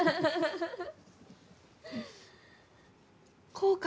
こうか？